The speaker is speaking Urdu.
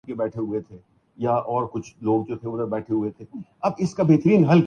وہ انہیں کبھی بھلا نہیں سکیں گے۔